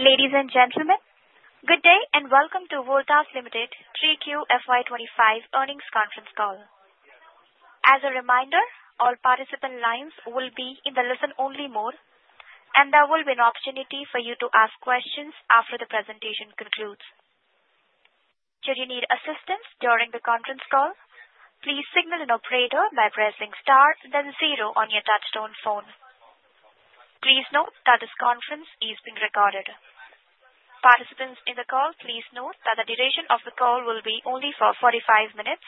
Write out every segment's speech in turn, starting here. Ladies and gentlemen, good day and welcome to Voltas Limited 3Q FY25 earnings conference call. As a reminder, all participant lines will be in the listen-only mode, and there will be an opportunity for you to ask questions after the presentation concludes. Should you need assistance during the conference call, please signal an operator by pressing star then zero on your touchtone phone. Please note that this conference is being recorded. Participants in the call, please note that the duration of the call will be only for 45 minutes.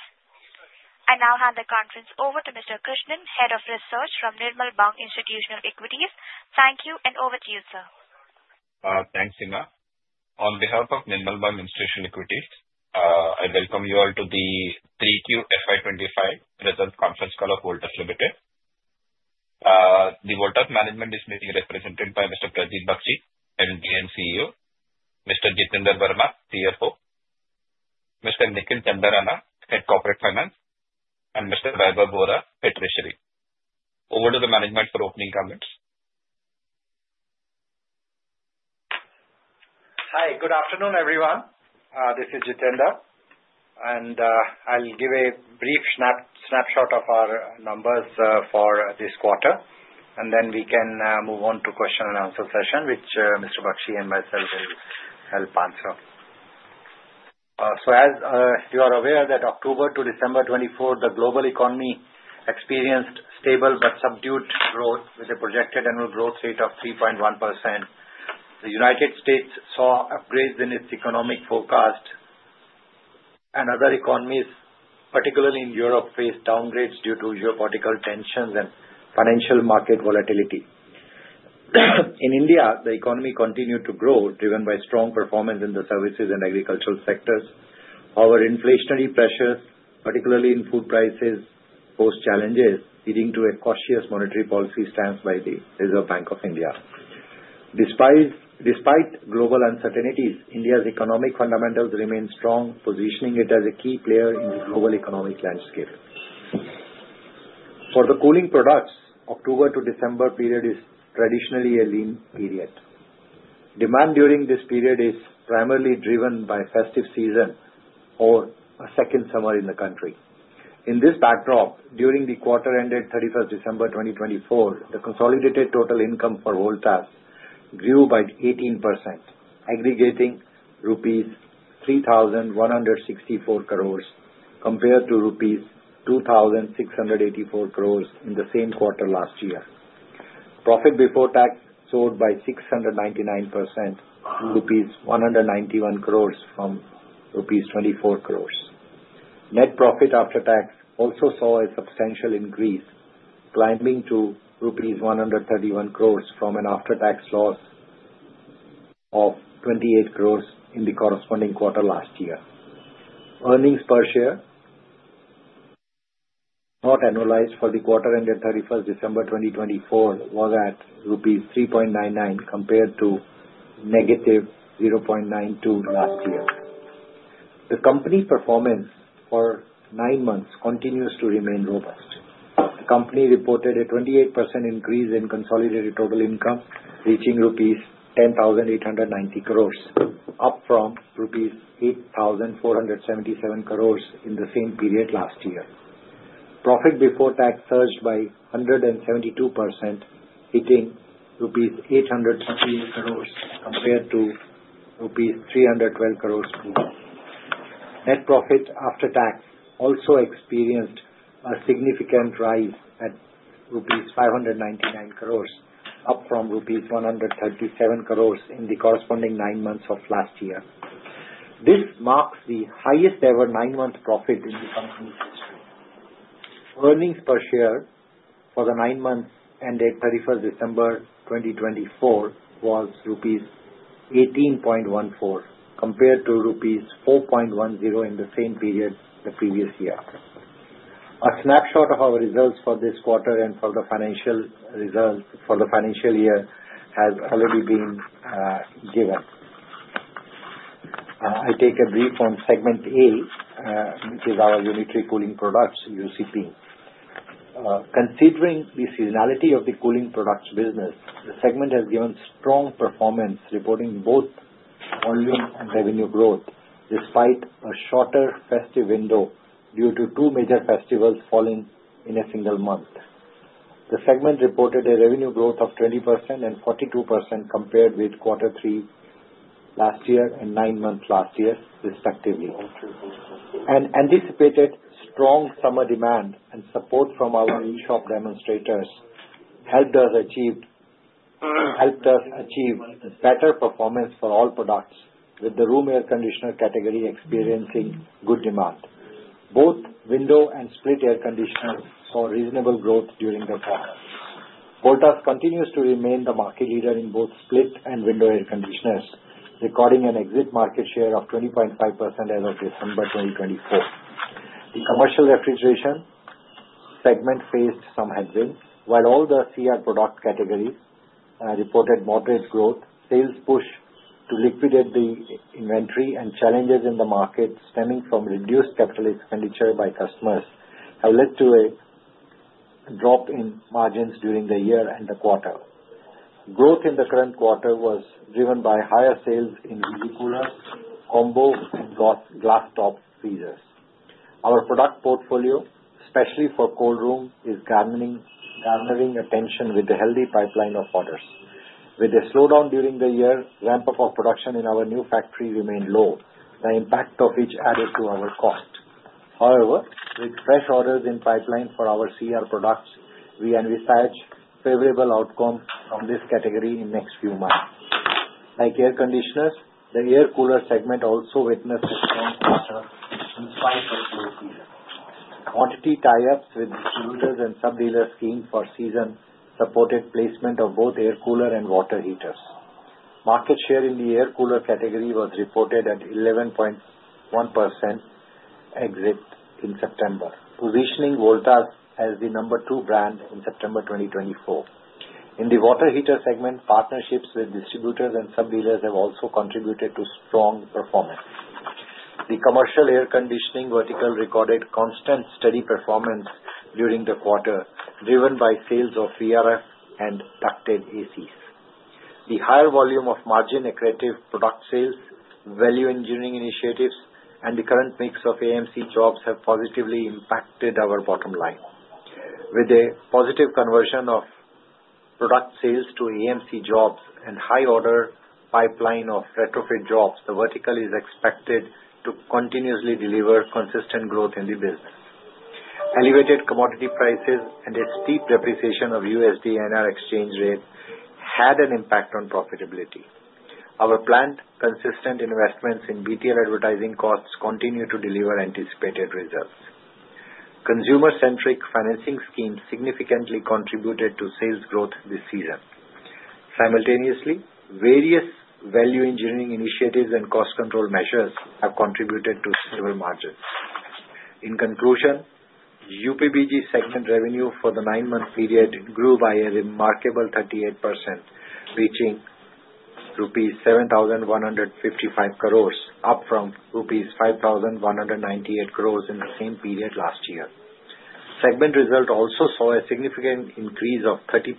I now hand the conference over to Mr. Krishnan, Head of Research from Nirmal Bang Institutional Equities. Thank you, and over to you, sir. Thanks, Inga. On behalf of Nirmal Bang Institutional Equities, I welcome you all to the 3Q FY25 Earnings Conference Call of Voltas Limited. The Voltas management is being represented by Mr. Pradeep Bakshi, MD and CEO, Mr. Jitender Verma, CFO, Mr. Nikhil Chandarana, Head of Corporate Finance, and Mr. Vaibhav Vora, Head of Treasury. Over to the management for opening comments. Hi, good afternoon, everyone. This is Jitender, and I'll give a brief snapshot of our numbers for this quarter, and then we can move on to question-and-answer session, which Mr. Bakshi and myself will help answer. So, as you are aware, that October to December 2024, the global economy experienced stable but subdued growth with a projected annual growth rate of 3.1%. The United States saw upgrades in its economic forecast, and other economies, particularly in Europe, faced downgrades due to geopolitical tensions and financial market volatility. In India, the economy continued to grow, driven by strong performance in the services and agricultural sectors. However, inflationary pressures, particularly in food prices, posed challenges, leading to a cautious monetary policy stance by the Reserve Bank of India. Despite global uncertainties, India's economic fundamentals remain strong, positioning it as a key player in the global economic landscape. For the cooling products, the October to December period is traditionally a lean period. Demand during this period is primarily driven by festive season or a second summer in the country. In this backdrop, during the quarter-ended 31st December 2024, the consolidated total income for Voltas grew by 18%, aggregating rupees 3,164 crores compared to rupees 2,684 crores in the same quarter last year. Profit before tax soared by 699%, rupees 191 crores from rupees 24 crores. Net profit after tax also saw a substantial increase, climbing to rupees 131 crores from an after-tax loss of 28 crores in the corresponding quarter last year. Earnings per share, not annualized for the quarter-ended 31st December 2024, was at rupees 3.99 compared to negative 0.92 last year. The company performance for nine months continues to remain robust. The company reported a 28% increase in consolidated total income, reaching ₹10,890 crores, up from ₹8,477 crores in the same period last year. Profit before tax surged by 172%, hitting ₹838 crores compared to ₹312 crores previously. Net profit after tax also experienced a significant rise at ₹599 crores, up from ₹137 crores in the corresponding nine months of last year. This marks the highest-ever nine-month profit in the company's history. Earnings per share for the nine months ended 31st December 2024 was ₹18.14 compared to ₹4.10 in the same period the previous year. A snapshot of our results for this quarter and for the financial year has already been given. I take a brief on segment A, which is our Unitary Cooling Products, UCP. Considering the seasonality of the cooling products business, the segment has given strong performance, reporting both volume and revenue growth despite a shorter festive window due to two major festivals falling in a single month. The segment reported a revenue growth of 20% and 42% compared with quarter three last year and nine months last year, respectively. Anticipated strong summer demand and support from our in-shop demonstrators helped us achieve better performance for all products, with the room air conditioner category experiencing good demand. Both window and split air conditioners saw reasonable growth during the fall. Voltas continues to remain the market leader in both split and window air conditioners, recording an exit market share of 20.5% as of December 2024. The commercial refrigeration segment faced some headwinds. While all the CR product categories reported moderate growth, sales push to liquidate the inventory and challenges in the market stemming from reduced capital expenditure by customers have led to a drop in margins during the year and the quarter. Growth in the current quarter was driven by higher sales in Visi Cooler, combo, and glass top freezers. Our product portfolio, especially for cold room, is garnering attention with a healthy pipeline of orders. With the slowdown during the year, ramp-up of production in our new factory remained low, the impact of which added to our cost. However, with fresh orders in pipeline for our CR products, we envisage favorable outcomes from this category in the next few months. Like air conditioners, the air cooler segment also witnessed a strong quarter in spite of low season. Quantity tie-ups with distributors and sub-dealers keen for season supported placement of both air cooler and water heaters. Market share in the air cooler category was reported at 11.1% exit in September, positioning Voltas as the number two brand in September 2024. In the water heater segment, partnerships with distributors and sub-dealers have also contributed to strong performance. The commercial air conditioning vertical recorded constant steady performance during the quarter, driven by sales of VRF and ducted ACs. The higher volume of margin-accretive product sales, value engineering initiatives, and the current mix of AMC jobs have positively impacted our bottom line. With a positive conversion of product sales to AMC jobs and high-order pipeline of retrofit jobs, the vertical is expected to continuously deliver consistent growth in the business. Elevated commodity prices and a steep depreciation of USD-INR exchange rates had an impact on profitability. Our planned consistent investments in retail advertising costs continue to deliver anticipated results. Consumer-centric financing schemes significantly contributed to sales growth this season. Simultaneously, various value engineering initiatives and cost control measures have contributed to stable margins. In conclusion, UCPBG segment revenue for the nine-month period grew by a remarkable 38%, reaching INR 7,155 crores, up from INR 5,198 crores in the same period last year. Segment result also saw a significant increase of 30%,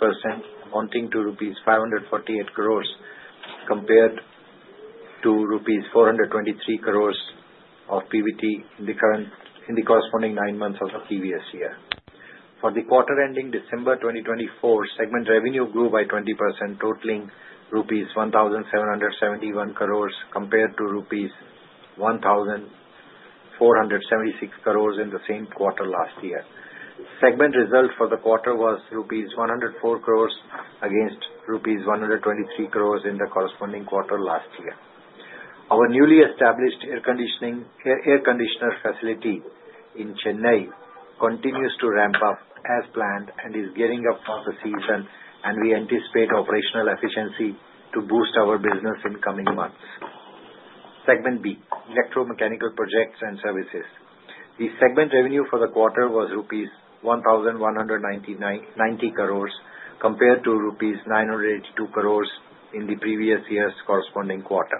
amounting to rupees 548 crores compared to rupees 423 crores of PBT in the corresponding nine months of the previous year. For the quarter-ending December 2024, segment revenue grew by 20%, totaling rupees 1,771 crores compared to rupees 1,476 crores in the same quarter last year. Segment result for the quarter was rupees 104 crores against rupees 123 crores in the corresponding quarter last year. Our newly established air conditioner facility in Chennai continues to ramp up as planned and is gearing up for the season, and we anticipate operational efficiency to boost our business in coming months. Segment B, Electro-Mechanical Projects and Services. The segment revenue for the quarter was ₹1,190 crores compared to ₹982 crores in the previous year's corresponding quarter.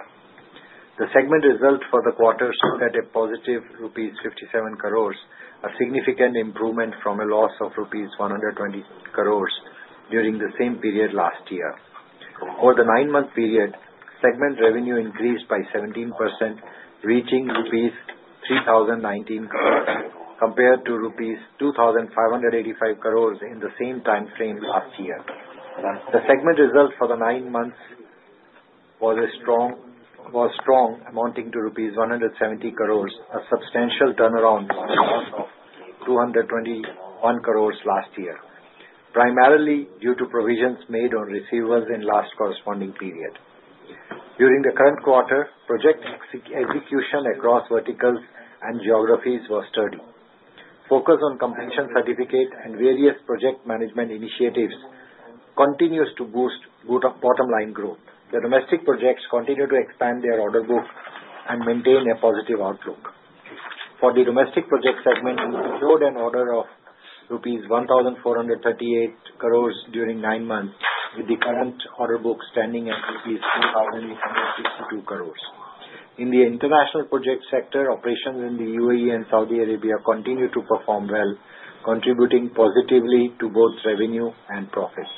The segment result for the quarter showed a positive ₹57 crores, a significant improvement from a loss of ₹120 crores during the same period last year. Over the nine-month period, segment revenue increased by 17%, reaching ₹3,019 crores compared to ₹2,585 crores in the same time frame last year. The segment result for the nine months was strong, amounting to ₹170 crores, a substantial turnaround from a loss of ₹221 crores last year, primarily due to provisions made on receivables in the last corresponding period. During the current quarter, project execution across verticals and geographies was sturdy. Focus on completion certificate and various project management initiatives continues to boost bottom-line growth. The domestic projects continue to expand their order book and maintain a positive outlook. For the domestic project segment, we secured an order of rupees 1,438 crores during nine months, with the current order book standing at rupees 2,862 crores. In the international project sector, operations in the UAE and Saudi Arabia continue to perform well, contributing positively to both revenue and profits.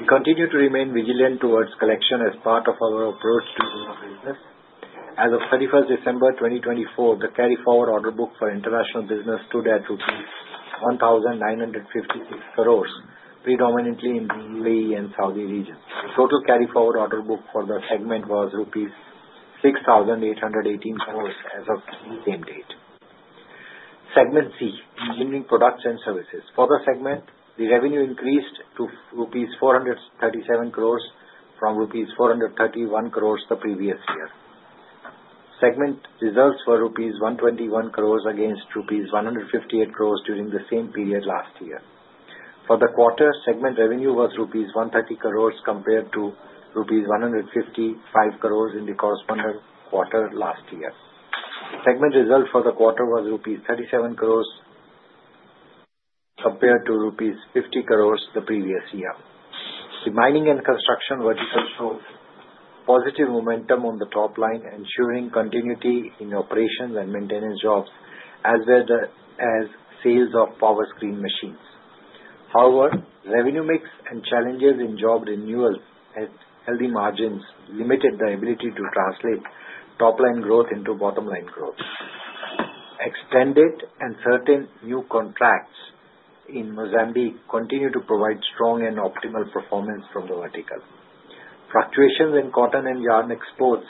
We continue to remain vigilant towards collection as part of our approach to doing business. As of 31st December 2024, the carry-forward order book for international business stood at rupees 1,956 crores, predominantly in the UAE and Saudi region. The total carry-forward order book for the segment was rupees 6,818 crores as of the same date. Segment C, Engineering Products and Services. For the segment, the revenue increased to rupees 437 crores from rupees 431 crores the previous year. Segment results were rupees 121 crores against rupees 158 crores during the same period last year. For the quarter, segment revenue was rupees 130 crores compared to rupees 155 crores in the corresponding quarter last year. Segment result for the quarter was rupees 37 crores compared to rupees 50 crores the previous year. The Mining and Construction verticals showed positive momentum on the top line, ensuring continuity in operations and maintenance jobs, as well as sales of Powerscreen machines. However, revenue mix and challenges in job renewal and healthy margins limited the ability to translate top-line growth into bottom-line growth. Extended and certain new contracts in Mozambique continue to provide strong and optimal performance from the vertical. Fluctuations in cotton and yarn exports,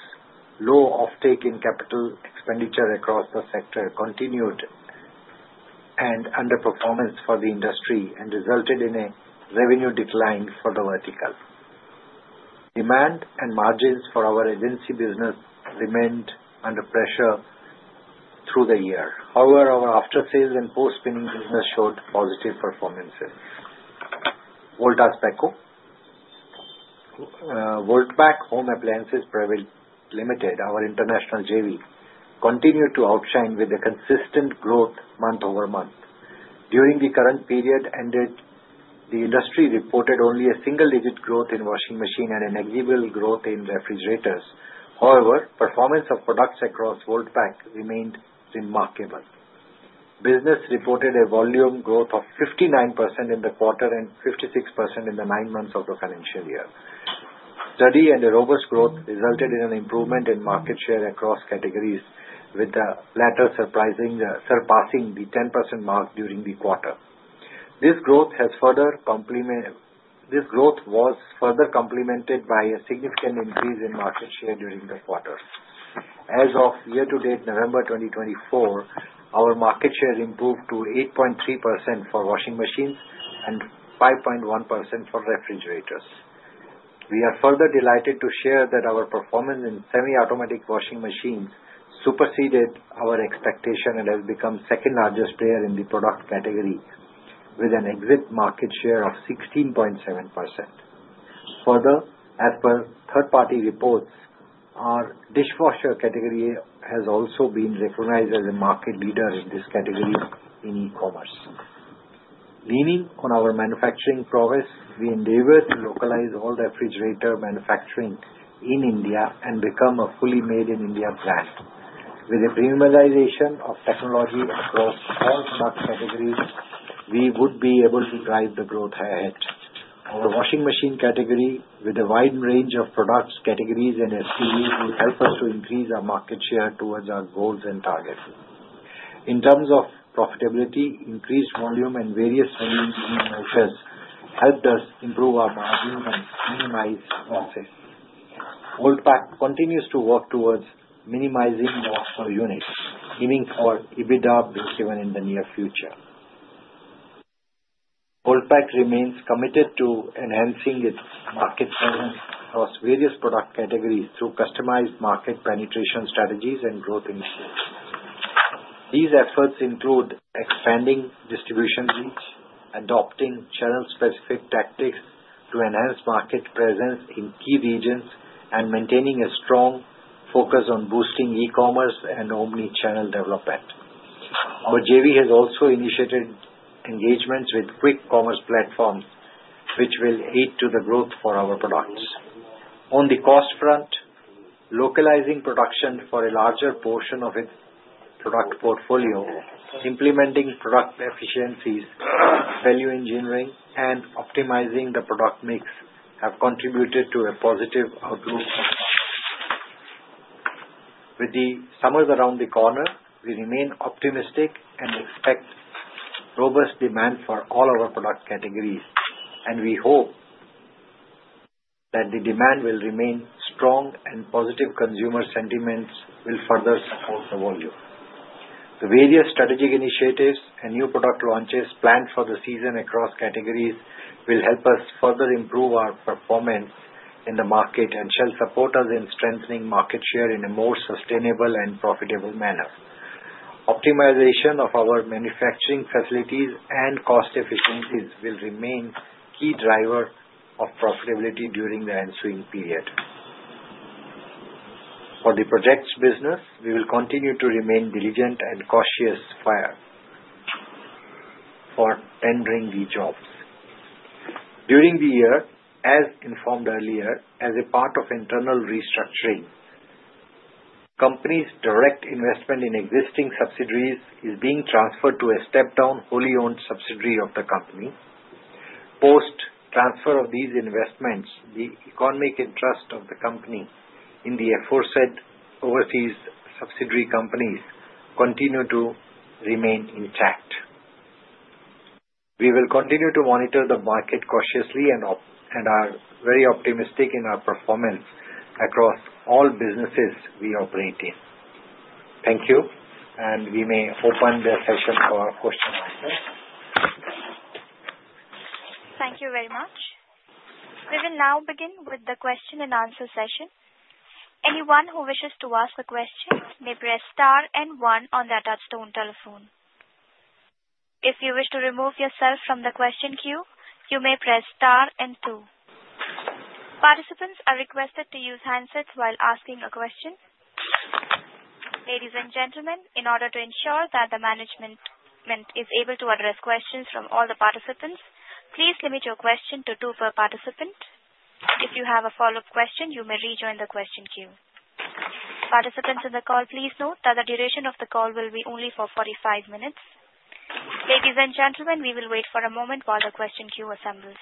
low offtake in capital expenditure across the sector, and continued underperformance for the industry resulted in a revenue decline for the vertical. Demand and margins for our agency business remained under pressure through the year. However, our after-sales and post-spinning business showed positive performances. Voltas Beko, our international JV, continued to outshine with a consistent growth month over month. During the current period ended, the industry reported only a single-digit growth in washing machine and a negligible growth in refrigerators. However, performance of products across Voltas Beko remained remarkable. Business reported a volume growth of 59% in the quarter and 56% in the nine months of the financial year. Steady and robust growth resulted in an improvement in market share across categories, with the latter surpassing the 10% mark during the quarter. This growth was further complemented by a significant increase in market share during the quarter. As of year-to-date November 2024, our market share improved to 8.3% for washing machines and 5.1% for refrigerators. We are further delighted to share that our performance in semi-automatic washing machines superseded our expectation and has become the second-largest player in the product category, with an exit market share of 16.7%. Further, as per third-party reports, our dishwasher category has also been recognized as a market leader in this category in e-commerce. Leaning on our manufacturing prowess, we endeavor to localize all refrigerator manufacturing in India and become a fully made-in-India brand. With the premiumization of technology across all product categories, we would be able to drive the growth ahead. Our washing machine category, with a wide range of product categories and SKUs, will help us to increase our market share towards our goals and targets. In terms of profitability, increased volume and various venues in the office helped us improve our margins and minimize losses. Voltas Beko continues to work towards minimizing loss per unit, aiming for EBITDA breakeven in the near future. Voltas Beko remains committed to enhancing its market presence across various product categories through customized market penetration strategies and growth initiatives. These efforts include expanding distribution reach, adopting channel-specific tactics to enhance market presence in key regions, and maintaining a strong focus on boosting e-commerce and omnichannel development. Our JV has also initiated engagements with quick-commerce platforms, which will add to the growth for our products. On the cost front, localizing production for a larger portion of its product portfolio, implementing product efficiencies, value engineering, and optimizing the product mix have contributed to a positive outlook. With the summer around the corner, we remain optimistic and expect robust demand for all our product categories, and we hope that the demand will remain strong and positive consumer sentiments will further support the volume. The various strategic initiatives and new product launches planned for the season across categories will help us further improve our performance in the market and shall support us in strengthening market share in a more sustainable and profitable manner. Optimization of our manufacturing facilities and cost efficiencies will remain key drivers of profitability during the ensuing period. For the projects business, we will continue to remain diligent and cautious for tendering the jobs. During the year, as informed earlier, as a part of internal restructuring, the company's direct investment in existing subsidiaries is being transferred to a step-down wholly-owned subsidiary of the company. Post-transfer of these investments, the economic interest of the company in the aforesaid overseas subsidiary companies continues to remain intact. We will continue to monitor the market cautiously and are very optimistic in our performance across all businesses we operate in. Thank you, and we may open the session for question and answer. Thank you very much. We will now begin with the question and answer session. Anyone who wishes to ask a question may press star and one on the touch-tone telephone. If you wish to remove yourself from the question queue, you may press star and two. Participants are requested to use handsets while asking a question. Ladies and gentlemen, in order to ensure that the management is able to address questions from all the participants, please limit your question to two per participant. If you have a follow-up question, you may rejoin the question queue. Participants on the call, please note that the duration of the call will be only for 45 minutes. Ladies and gentlemen, we will wait for a moment while the question queue assembles.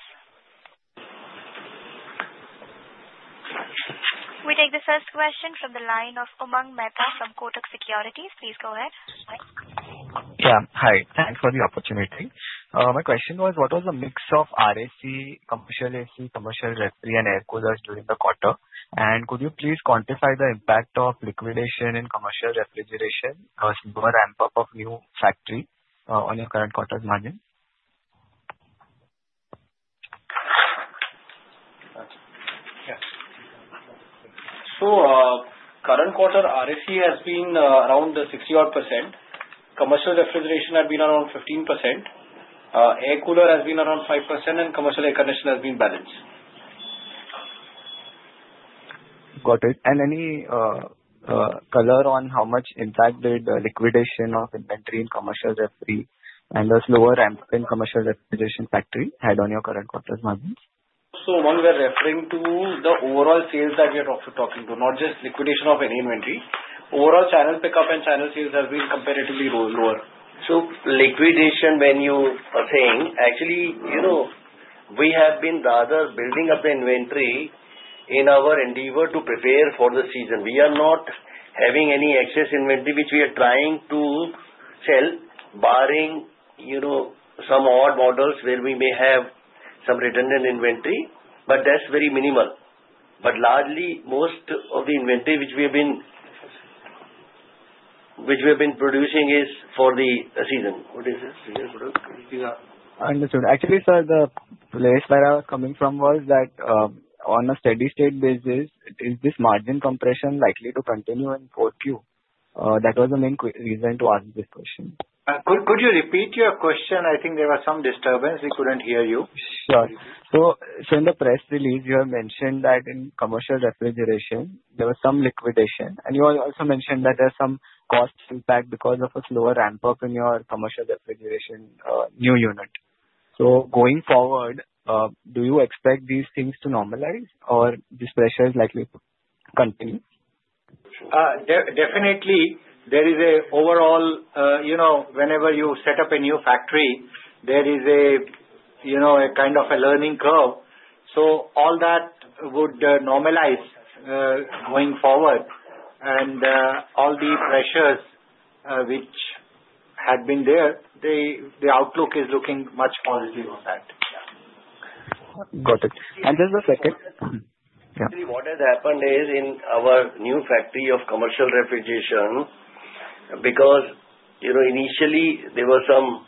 We take the first question from the line of Umang Mehta from Kotak Securities. Please go ahead. Yeah, hi. Thanks for the opportunity. My question was, what was the mix of RAC, commercial AC, commercial refrigeration, and air coolers during the quarter? And could you please quantify the impact of liquidation and commercial refrigeration as you ramp up a new factory on your current quarter's margin? So current quarter, RAC has been around 60-odd%. Commercial refrigeration has been around 15%. Air cooler has been around 5%, and commercial air conditioning has been balanced. Got it. And any color on how much impact did the liquidation of inventory in commercial refrigeration and the slower ramp-up in commercial refrigeration factory had on your current quarter's margins? So when we're referring to the overall sales that we are talking to, not just liquidation of any inventory, overall channel pickup and channel sales have been comparatively lower. So liquidation, when you are saying, actually, we have been rather building up the inventory in our endeavor to prepare for the season. We are not having any excess inventory, which we are trying to sell, barring some odd models where we may have some redundant inventory, but that's very minimal. But largely, most of the inventory which we have been producing is for the season. What is this? I understood. Actually, sir, the place where I was coming from was that on a steady-state basis, is this margin compression likely to continue in Q4? That was the main reason to ask this question. Could you repeat your question? I think there was some disturbance. We couldn't hear you. Sure. So in the press release, you have mentioned that in commercial refrigeration, there was some liquidation, and you also mentioned that there are some cost impacts because of a slower ramp-up in your commercial refrigeration new unit. So going forward, do you expect these things to normalize, or this pressure is likely to continue? Definitely, there is an overall whenever you set up a new factory, there is a kind of a learning curve. So all that would normalize going forward, and all the pressures which had been there, the outlook is looking much positive on that. Got it. Just a second. What has happened is in our new factory of commercial refrigeration, because initially, there were some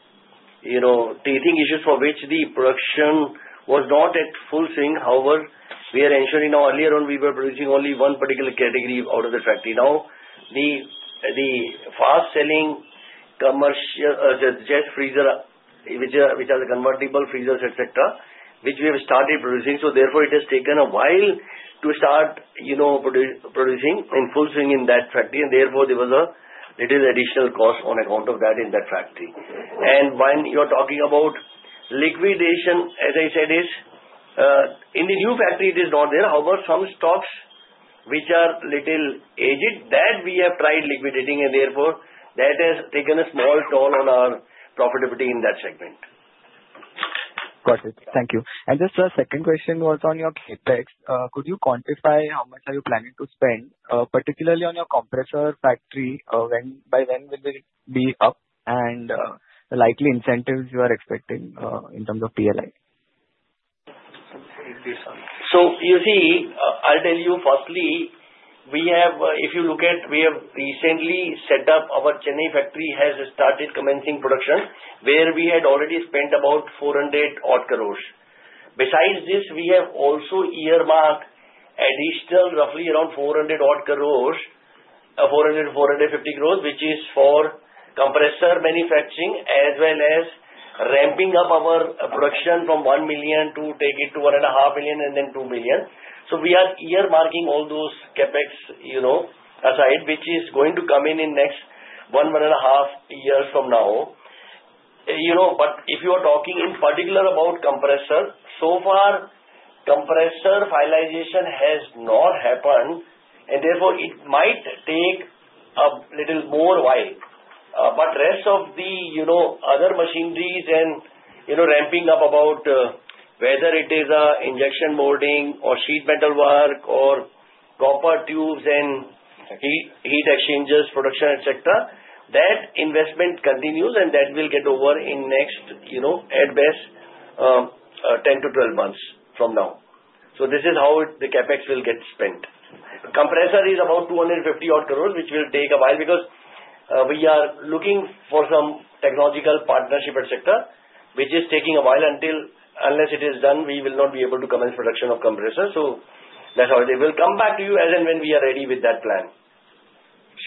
teething issues for which the production was not at full swing. However, we are ensuring now earlier on, we were producing only one particular category out of the factory. Now, the fast-selling commercial chest freezer, which are the convertible freezers, etc., which we have started producing. So therefore, it has taken a while to start producing in full swing in that factory, and therefore, there was a little additional cost on account of that in that factory. And when you are talking about liquidation, as I said, in the new factory, it is not there. However, some stocks which are a little aged, that we have tried liquidating, and therefore, that has taken a small toll on our profitability in that segment. Got it. Thank you. Just a second question was on your Capex. Could you quantify how much are you planning to spend, particularly on your compressor factory? By when will it be up, and likely incentives you are expecting in terms of PLI? So you see, I'll tell you firstly, if you look at, we have recently set up our Chennai factory has started commencing production, where we had already spent about 400-odd crores. Besides this, we have also earmarked additional roughly around 400-odd crores, 400-450 crores, which is for compressor manufacturing, as well as ramping up our production from 1 million to take it to 1.5 and then 2 million. So we are earmarking all those Capex aside, which is going to come in in the next one, one and a half years from now. But if you are talking in particular about compressor, so far, compressor finalization has not happened, and therefore, it might take a little more while. But rest of the other machineries and ramping up about whether it is injection molding or sheet metal work or copper tubes and heat exchangers production, etc., that investment continues, and that will get over in next, at best, 10 to 12 months from now. So this is how the CapEx will get spent. Compressor is about 250-odd crores, which will take a while because we are looking for some technological partnership, etc., which is taking a while until unless it is done, we will not be able to commence production of compressors. So that's how it is. We'll come back to you as and when we are ready with that plan.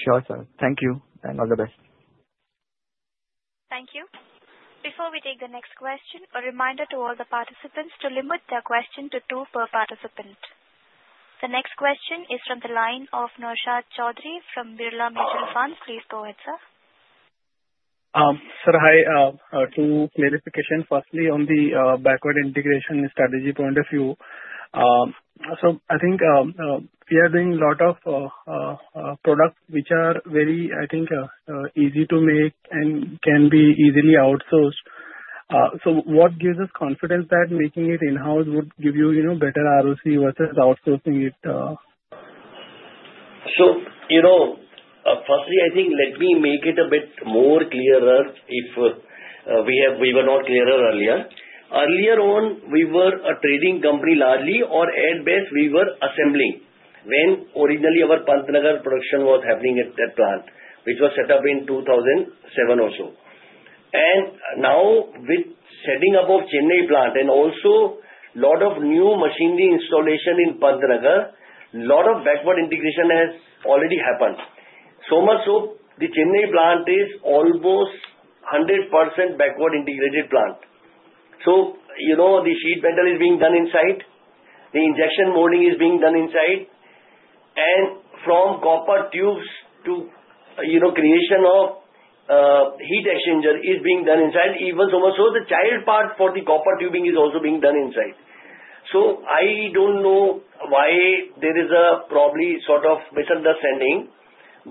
Sure, sir. Thank you, and all the best. Thank you. Before we take the next question, a reminder to all the participants to limit their question to two per participant. The next question is from the line of Naushad Chaudhary from Aditya Birla Sun Life Mutual Fund. Please go ahead, sir. Sir, hi. Two clarifications. Firstly, on the backward integration strategy point of view, so I think we are doing a lot of products which are very, I think, easy to make and can be easily outsourced. So what gives us confidence that making it in-house would give you better ROC versus outsourcing it? So firstly, I think let me make it a bit more clearer if we were not clearer earlier. Earlier on, we were a trading company largely, or at best, we were assembling when originally our Pantnagar production was happening at that plant, which was set up in 2007 or so. And now, with setting up of Chennai plant and also a lot of new machinery installation in Pantnagar, a lot of backward integration has already happened. So much so, the Chennai plant is almost 100% backward integrated plant. So the sheet metal is being done inside. The injection molding is being done inside. And from copper tubes to creation of heat exchanger is being done inside. Even so much so, the coil part for the copper tubing is also being done inside. So I don't know why there is a probably sort of misunderstanding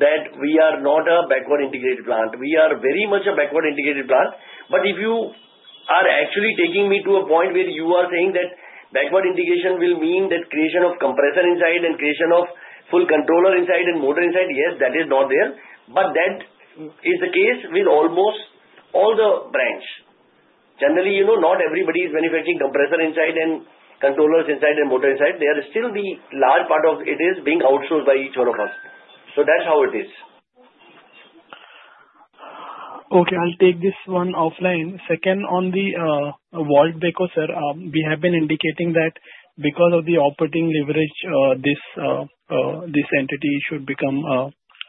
that we are not a backward integrated plant. We are very much a backward integrated plant. But if you are actually taking me to a point where you are saying that backward integration will mean that creation of compressor inside and creation of full controller inside and motor inside, yes, that is not there. But that is the case with almost all the brands. Generally, not everybody is benefiting compressor inside and controllers inside and motor inside. There is still the large part of it is being outsourced by each one of us. So that's how it is. Okay. I'll take this one offline. Second, on the Voltas Beko, sir, we have been indicating that because of the operating leverage, this entity should become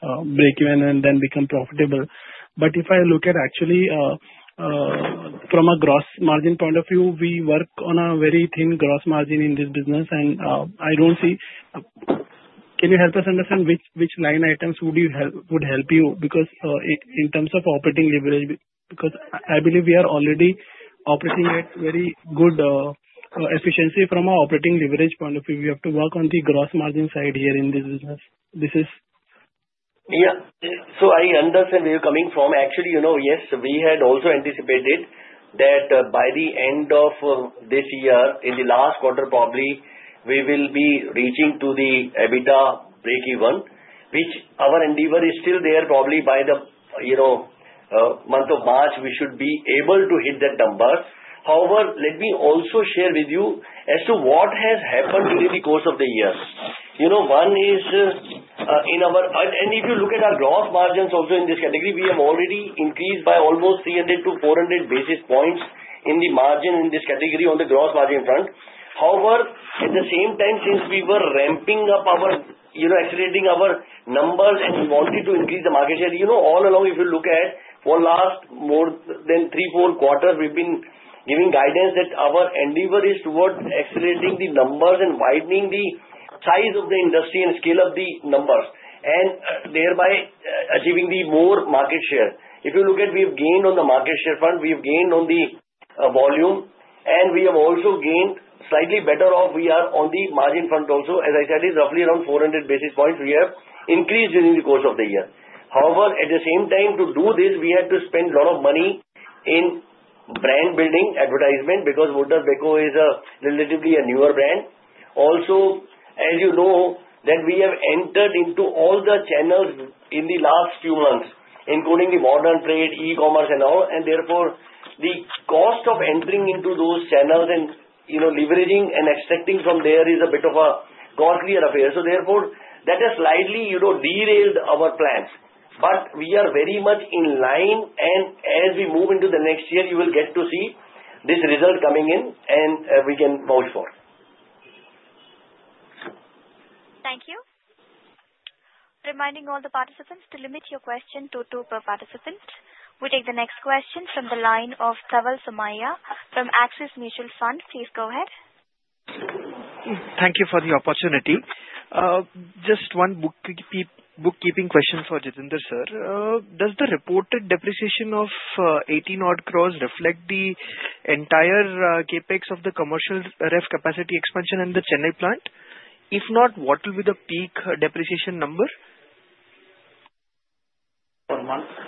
breakeven and then become profitable. But if I look at actually from a gross margin point of view, we work on a very thin gross margin in this business, and I don't see. Can you help us understand which line items would help you? Because in terms of operating leverage, because I believe we are already operating at very good efficiency from our operating leverage point of view. We have to work on the gross margin side here in this business. Yeah. So I understand where you're coming from. Actually, yes, we had also anticipated that by the end of this year, in the last quarter, probably we will be reaching to the EBITDA breakeven, which our endeavor is still there. Probably by the month of March, we should be able to hit that number. However, let me also share with you as to what has happened during the course of the year. One is in our and if you look at our gross margins also in this category, we have already increased by almost 300-400 basis points in the margin in this category on the gross margin front. However, at the same time, since we were ramping up, accelerating our numbers and we wanted to increase the market share, all along, if you look at, for the last more than three, four quarters, we've been giving guidance that our endeavor is towards accelerating the numbers and widening the size of the industry and scale of the numbers, and thereby achieving more market share. If you look at, we have gained on the market share front. We have gained on the volume, and we have also gained slightly better off. We are on the margin front also. As I said, it's roughly around 400 basis points we have increased during the course of the year. However, at the same time, to do this, we had to spend a lot of money in brand building, advertisement, because Voltas Beko is relatively a newer brand. Also, as you know, that we have entered into all the channels in the last few months, including the modern trade, e-commerce, and all. And therefore, the cost of entering into those channels and leveraging and extracting from there is a bit of a costlier affair. So therefore, that has slightly derailed our plans. But we are very much in line, and as we move into the next year, you will get to see this result coming in, and we can vouch for. Thank you. Reminding all the participants to limit your question to two per participant. We take the next question from the line of Dhaval from Axis Mutual Fund. Please go ahead. Thank you for the opportunity. Just one bookkeeping question for Jitender, sir. Does the reported depreciation of 18-odd crores reflect the entire CapEx of the commercial ref capacity expansion in the Chennai plant? If not, what will be the peak depreciation number? Per month?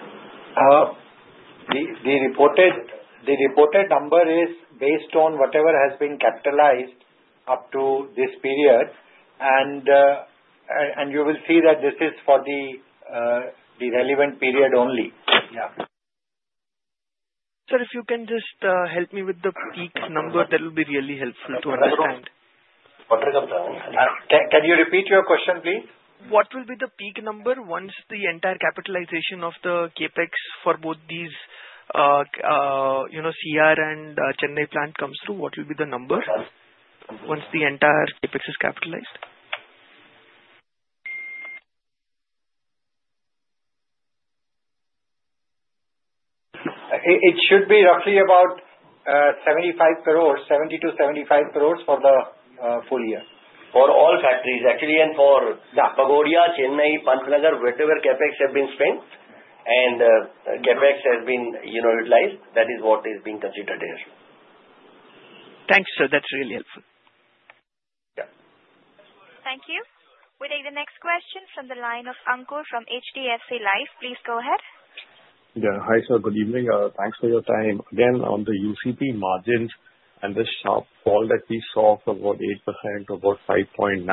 The reported number is based on whatever has been capitalized up to this period, and you will see that this is for the relevant period only. Yeah. Sir, if you can just help me with the peak number, that will be really helpful to understand. Can you repeat your question, please? What will be the peak number once the entire capitalization of the CapEx for both these CR and Chennai plant comes through? What will be the number once the entire CapEx is capitalized? It should be roughly about 75 crores, 70-75 crores for the full year for all factories, actually, and for Waghodia, Chennai, Pantnagar, wherever CapEx have been spent and CapEx has been utilized. That is what is being considered here. Thanks, sir. That's really helpful. Yeah. Thank you. We take the next question from the line of Ankur from HDFC Life. Please go ahead. Yeah. Hi, sir. Good evening. Thanks for your time. Again, on the UCP margins and the sharp fall that we saw of about 8% to about 5.9%.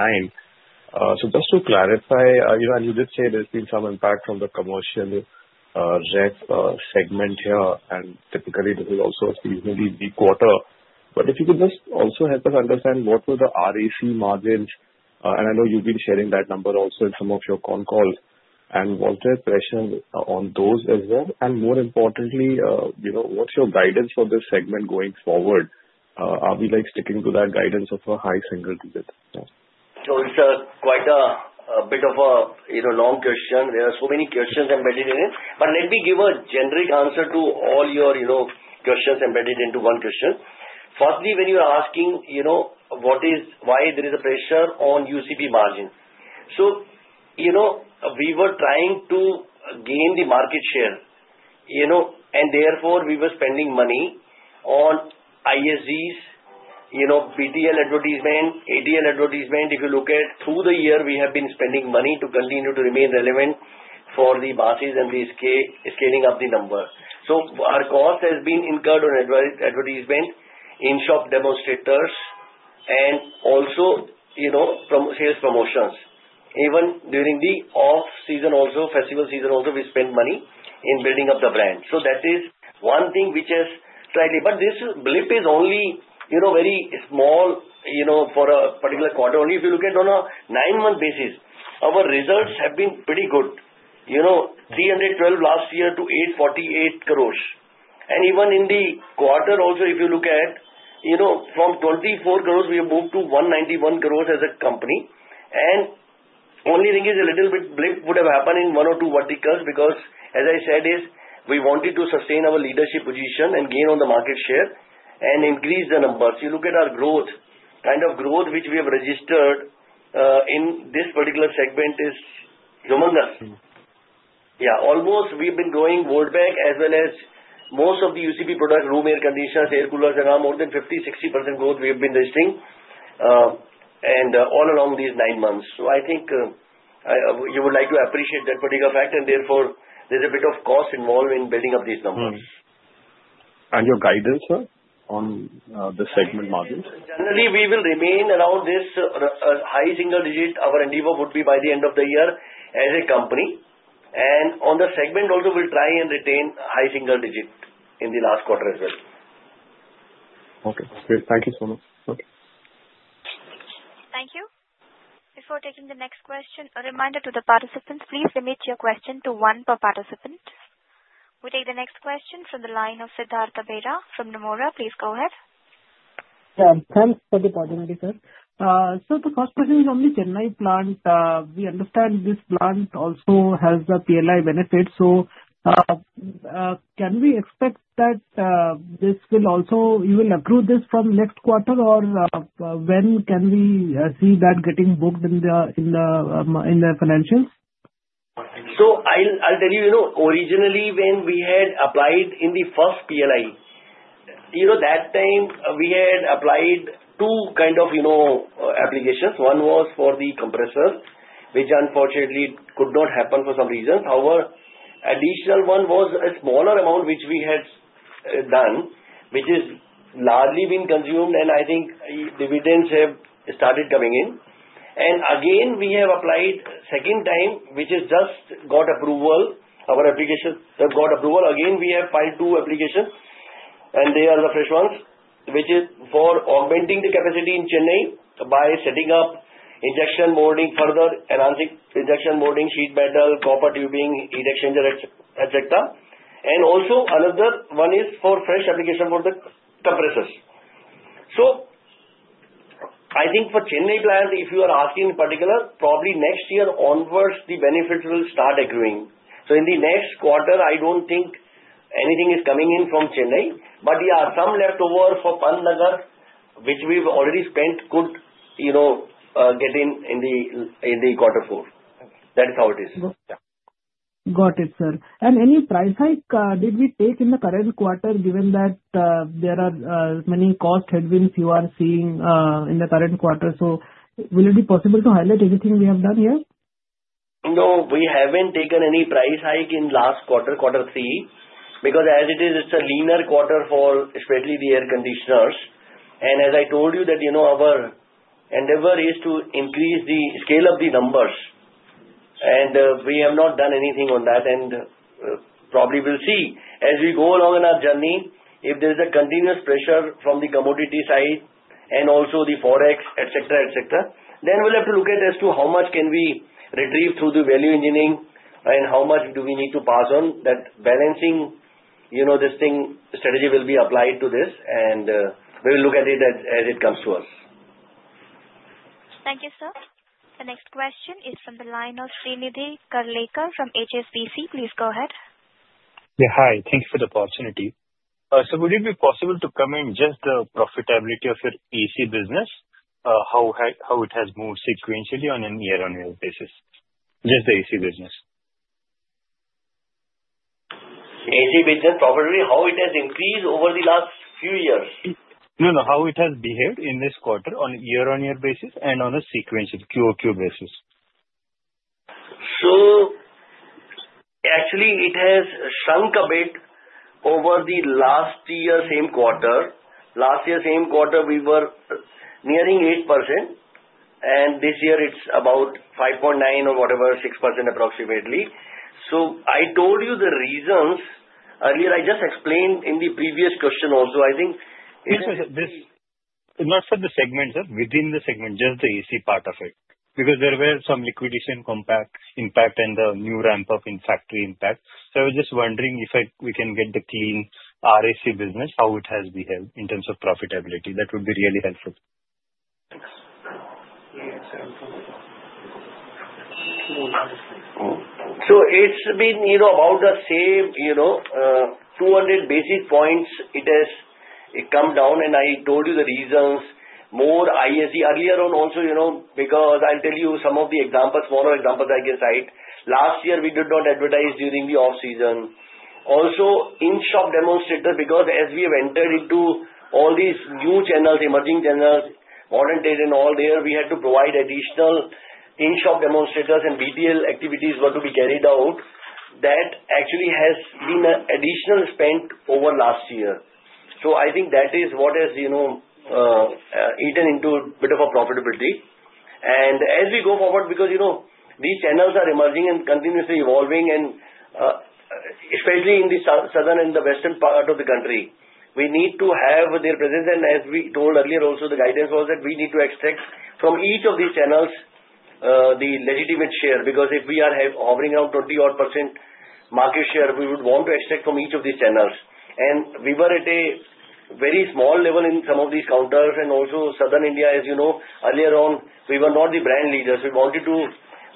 So just to clarify, as you did say, there's been some impact from the commercial ref segment here, and typically, this is also seasonally the quarter. But if you could just also help us understand what were the RAC margins, and I know you've been sharing that number also in some of your con calls, and what's the impression on those as well? And more importantly, what's your guidance for this segment going forward? Are we sticking to that guidance of a high single digit? So it's quite a bit of a long question. There are so many questions embedded in it. But let me give a generic answer to all your questions embedded into one question. Firstly, when you are asking why there is a pressure on UCP margins, so we were trying to gain the market share, and therefore, we were spending money on ISDs, BTL advertisement, ATL advertisement. If you look at, through the year, we have been spending money to continue to remain relevant for the business and the scaling of the number. So our cost has been incurred on advertisement, in-shop demonstrators, and also from sales promotions. Even during the off-season also, festival season also, we spent money in building up the brand. So that is one thing which is slightly. But this blip is only very small for a particular quarter. Only if you look at on a nine-month basis, our results have been pretty good. 312 crores last year to 848 crores. Even in the quarter also, if you look at from 24 crores, we have moved to 191 crores as a company. The only thing is a little bit blip would have happened in one or two verticals because, as I said, we wanted to sustain our leadership position and gain on the market share and increase the numbers. You look at our growth, kind of growth which we have registered in this particular segment is humongous. Yeah. Almost we have been growing Voltas Beko as well as most of the UCP products, room air conditioners, air coolers, and now more than 50%-60% growth we have been registering all along these nine months. So I think you would like to appreciate that particular fact, and therefore, there's a bit of cost involved in building up these numbers. Your guidance, sir, on the segment margins? Generally, we will remain around this high single digit. Our endeavor would be by the end of the year as a company, and on the segment also, we'll try and retain high single digit in the last quarter as well. Okay. Great. Thank you so much. Okay. Thank you. Before taking the next question, a reminder to the participants, please limit your question to one per participant. We take the next question from the line of Siddhartha Bera from Nomura. Please go ahead. Yeah. Thanks for the opportunity, sir. So the first question is on the Chennai plant. We understand this plant also has the PLI benefits. So can we expect that you will also accrue this from next quarter, or when can we see that getting booked in the financials? So, I'll tell you, originally, when we had applied in the first PLI, that time we had applied two kind of applications. One was for the compressors, which unfortunately could not happen for some reasons. However, additional one was a smaller amount which we had done, which has largely been consumed, and I think dividends have started coming in. And again, we have applied second time, which has just got approval. Our applications have got approval. Again, we have filed two applications, and they are the fresh ones, which is for augmenting the capacity in Chennai by setting up injection molding further, enhancing injection molding, sheet metal, copper tubing, heat exchanger, etc. And also, another one is for fresh application for the compressors. So I think for Chennai plant, if you are asking in particular, probably next year onwards, the benefits will start accruing. So, in the next quarter, I don't think anything is coming in from Chennai. But yeah, some leftover for Pantnagar, which we've already spent, could get in the quarter four. That is how it is. Got it, sir. And any price hike did we take in the current quarter, given that there are many cost headwinds you are seeing in the current quarter? So, will it be possible to highlight anything we have done here? No. We haven't taken any price hike in last quarter, quarter three, because as it is, it's a leaner quarter for especially the air conditioners. And as I told you, our endeavor is to increase the scale of the numbers, and we have not done anything on that. And probably we'll see as we go along in our journey, if there's a continuous pressure from the commodity side and also the forex, etc., etc., then we'll have to look at as to how much can we retrieve through the value engineering and how much do we need to pass on. That balancing this thing strategy will be applied to this, and we'll look at it as it comes to us. Thank you, sir. The next question is from the line of Srinidhi Karlekar from HSBC. Please go ahead. Yeah. Hi. Thank you for the opportunity. So would it be possible to comment just the profitability of your AC business, how it has moved sequentially on a year-on-year basis, just the AC business? AC business, probably how it has increased over the last few years. No, no. How it has behaved in this quarter on a year-on-year basis and on a sequential QoQ basis. So actually, it has shrunk a bit over the last year's same quarter. Last year's same quarter, we were nearing 8%, and this year it's about 5.9% or whatever, 6% approximately. So I told you the reasons earlier. I just explained in the previous question also. I think. It's not for the segment, sir. Within the segment, just the AC part of it, because there were some liquidation impact and the new ramp-up in factory impact. So I was just wondering if we can get the clean RAC business, how it has behaved in terms of profitability. That would be really helpful. So it's been about the same 200 basis points. It has come down, and I told you the reasons. More ISD earlier on also, because I'll tell you some of the examples, smaller examples I can cite. Last year, we did not advertise during the off-season. Also, in-shop demonstrators, because as we have entered into all these new channels, emerging channels, modern trade and all there, we had to provide additional in-shop demonstrators and BTL activities were to be carried out. That actually has been additional spend over last year, so I think that is what has eaten into a bit of a profitability, and as we go forward, because these channels are emerging and continuously evolving, and especially in the southern and the western part of the country, we need to have their presence. And as we told earlier, also the guidance was that we need to extract from each of these channels the legitimate share, because if we are hovering around 20-odd% market share, we would want to extract from each of these channels. And we were at a very small level in some of these counters. And also, southern India, as you know, earlier on, we were not the brand leaders. We wanted to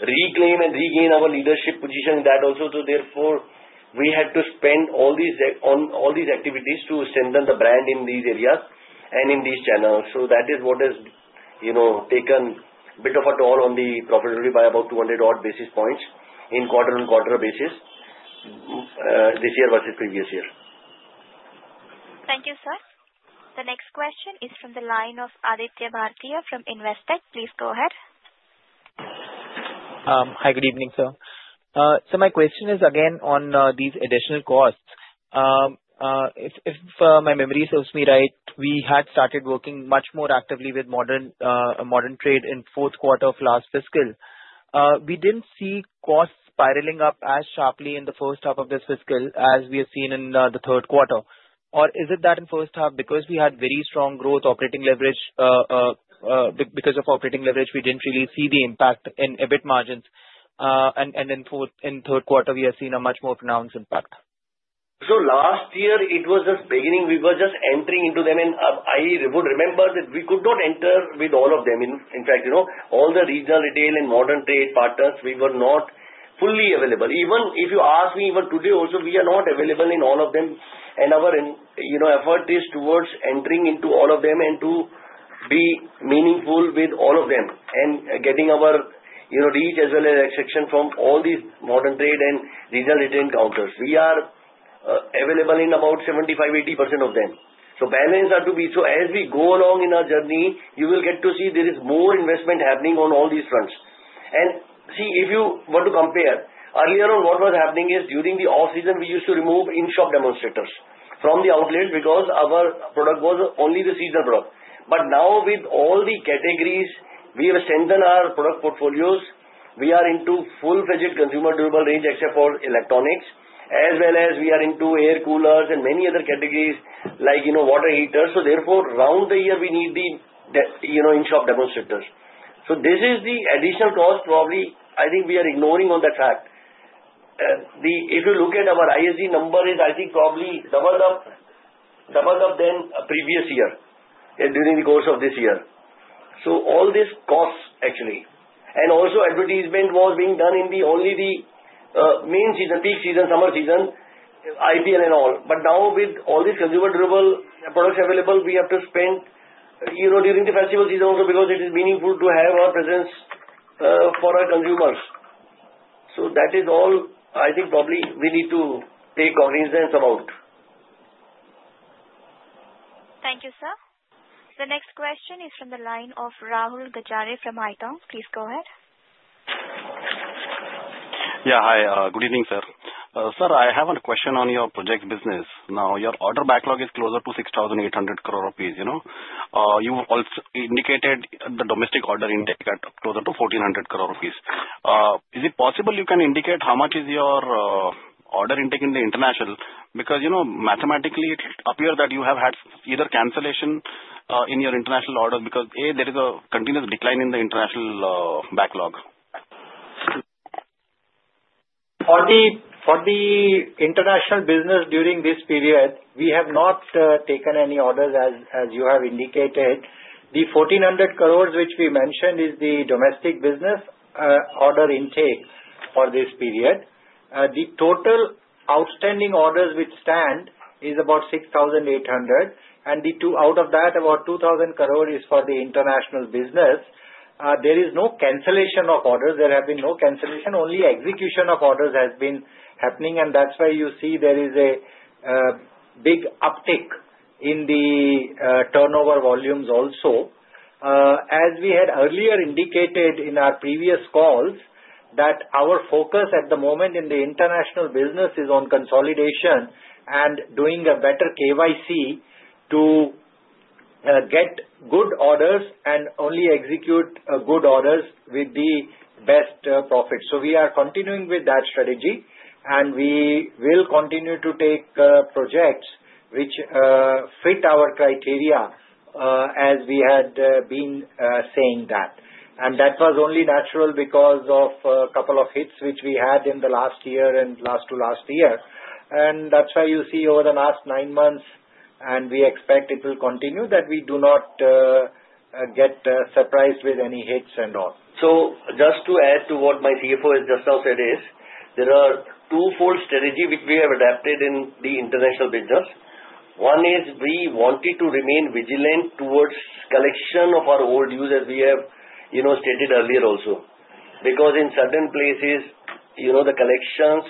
reclaim and regain our leadership position in that also. So therefore, we had to spend all these activities to strengthen the brand in these areas and in these channels. So that is what has taken a bit of a toll on the profitability by about 200-odd basis points in quarter-on-quarter basis this year versus previous year. Thank you, sir. The next question is from the line of Aditya Bhartia from Investec. Please go ahead. Hi. Good evening, sir. So my question is again on these additional costs. If my memory serves me right, we had started working much more actively with modern trade in fourth quarter of last fiscal. We didn't see costs spiraling up as sharply in the first half of this fiscal as we have seen in the third quarter. Or is it that in first half, because we had very strong growth, operating leverage, because of operating leverage, we didn't really see the impact in EBIT margins? And in third quarter, we have seen a much more pronounced impact. So last year, it was just beginning. We were just entering into them. And I would remember that we could not enter with all of them. In fact, all the regional retail and modern trade partners, we were not fully available. Even if you ask me, even today also, we are not available in all of them. And our effort is towards entering into all of them and to be meaningful with all of them and getting our reach as well as extraction from all these modern trade and regional retail counters. We are available in about 75%-80% of them. So balance had to be. So as we go along in our journey, you will get to see there is more investment happening on all these fronts. And see, if you were to compare, earlier on what was happening is during the off-season, we used to remove in-shop demonstrators from the outlet because our product was only the seasonal product. But now, with all the categories, we have strengthened our product portfolios. We are into full-fledged consumer durable range, except for electronics, as well as we are into air coolers and many other categories like water heaters. So therefore, round the year, we need the in-shop demonstrators. So this is the additional cost. Probably, I think we are ignoring on that fact. If you look at our ISD number, it's I think probably doubled up, doubled up then previous year during the course of this year. So all this costs, actually. And also, advertisement was being done in only the main season, peak season, summer season, IPL and all. But now, with all these consumer durable products available, we have to spend during the festival season also because it is meaningful to have our presence for our consumers. So that is all, I think, probably we need to take cognizance about. Thank you, sir. The next question is from the line of Rahul Gajare from Haitong Securities. Please go ahead. Yeah. Hi. Good evening, sir. Sir, I have a question on your project business. Now, your order backlog is closer to 6,800 crore rupees. You also indicated the domestic order intake at closer to 1,400 crore rupees. Is it possible you can indicate how much is your order intake in the international? Because mathematically, it appears that you have had either cancellation in your international orders because there is a continuous decline in the international backlog. For the international business during this period, we have not taken any orders as you have indicated. The 1,400 crore which we mentioned is the domestic business order intake for this period. The total outstanding orders which stand is about 6,800 crore. And out of that, about 2,000 crore is for the international business. There is no cancellation of orders. There has been no cancellation. Only execution of orders has been happening. And that's why you see there is a big uptick in the turnover volumes also. As we had earlier indicated in our previous calls, that our focus at the moment in the international business is on consolidation and doing a better KYC to get good orders and only execute good orders with the best profit. So we are continuing with that strategy, and we will continue to take projects which fit our criteria as we had been saying that. And that was only natural because of a couple of hits which we had in the last year and last two last year. And that's why you see over the last nine months, and we expect it will continue that we do not get surprised with any hits and all. So just to add to what my CFO has just now said is, there are twofold strategy which we have adopted in the international business. One is we wanted to remain vigilant towards collection of our old dues, as we have stated earlier also, because in certain places, the collections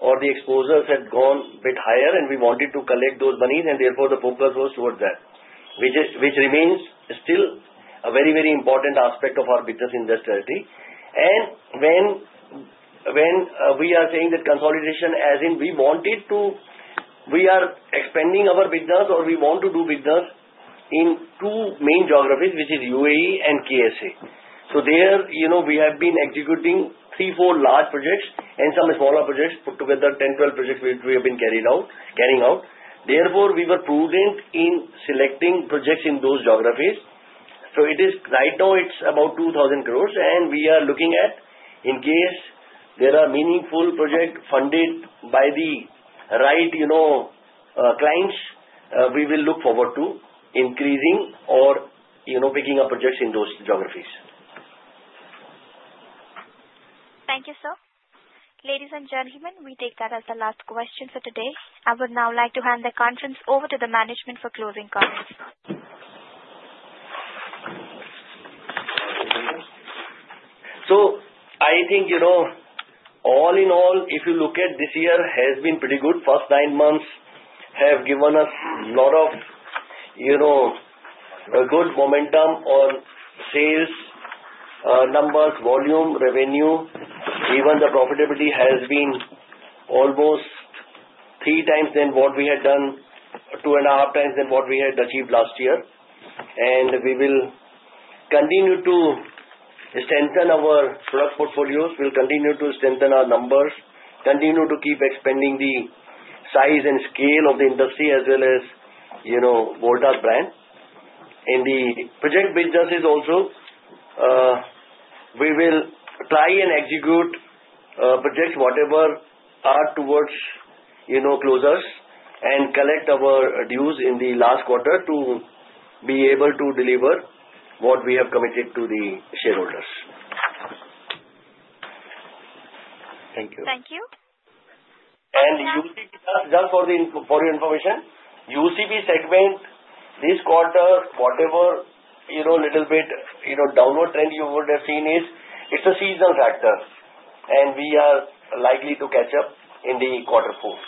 or the exposures had gone a bit higher, and we wanted to collect those money, and therefore, the focus was towards that, which remains still a very, very important aspect of our business in this strategy. And when we are saying that consolidation, as in we wanted to, we are expanding our business, or we want to do business in two main geographies, which is UAE and KSA. So there, we have been executing three, four large projects and some smaller projects put together, 10, 12 projects which we have been carrying out. Therefore, we were prudent in selecting projects in those geographies. So right now, it's about 2,000 crores, and we are looking at, in case there are meaningful projects funded by the right clients, we will look forward to increasing or picking up projects in those geographies. Thank you, sir. Ladies and gentlemen, we take that as the last question for today. I would now like to hand the conference over to the management for closing comments. So I think all in all, if you look at this year, it has been pretty good. First nine months have given us a lot of good momentum on sales, numbers, volume, revenue. Even the profitability has been almost three times than what we had done, two and a half times than what we had achieved last year, and we will continue to strengthen our product portfolios. We'll continue to strengthen our numbers, continue to keep expanding the size and scale of the industry as well as Voltas brand. In the project businesses also, we will try and execute projects whatever are towards closure and collect our dues in the last quarter to be able to deliver what we have committed to the shareholders. Thank you. Thank you. And just for your information, UCP segment this quarter, whatever little bit downward trend you would have seen is it's a seasonal factor, and we are likely to catch up in the quarter four.